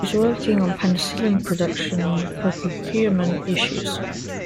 He was working on penicillin production and procurement issues.